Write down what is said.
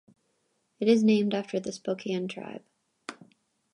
It is named after the Spokane tribe.